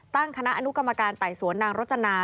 ตั้งคณะอนุกรรมการไต่สวนนางรจนา